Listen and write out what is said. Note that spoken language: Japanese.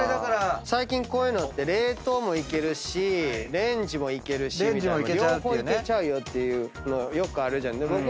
最近こういうのって冷凍もいけるしレンジもいけるしみたいな両方いけちゃうよっていうのよくあるじゃん。